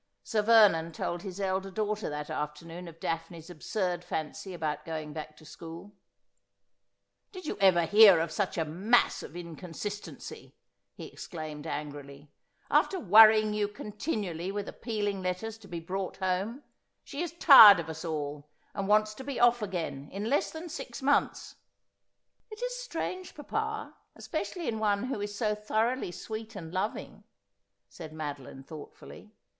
Sir Vernon told his elder daughter that afternoon of Daphne's absurd fancy about going back to school. ' Did you ever hear of such a mass of inconsistency ?' he exclaimed angrily. ,' After worrying you continually with ap pealing letters to be brought home, she is tired of us all and wants to be oit again in less than six months.' ' It is strange, papa, especially in one who is so thoroughly sweet and loving,' said Madeline thoughtfully.